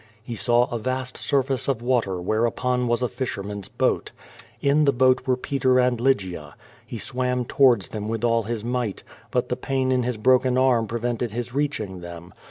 He saw a vast surface of water whereon was a fisherman's boat. In the boat were Peter and Lygia. He swam towards them with all his might, but the pain in his broken arm pre vented his reaching them.